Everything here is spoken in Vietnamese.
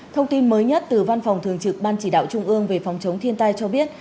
thông tin mới nhất từ văn phòng thường trực ban chỉ đạo trung ương về phòng chống thiên tai cho biết